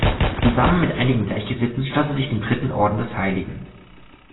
Zusammen mit einigen Gleichgesinnten schloss sie sich dem Dritten Orden des Hl.